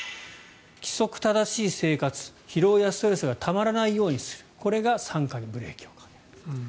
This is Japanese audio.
規則正しい生活疲労やストレスがたまらないようにするこれが酸化にブレーキをかける。